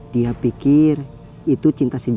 dia pikir itu cinta sendiri